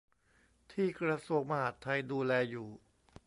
ที่กระทรวงมหาดไทยดูแลอยู่